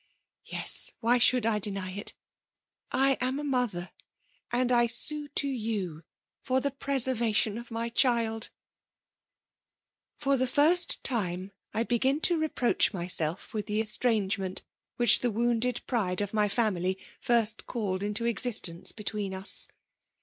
Yes ! why should I deny it l I am a mother; and I sue to you for the preservaticm of my child !*' For the first time I begin to reproach my self with the estrangement which the woimded pride of my family first called into existence « between us.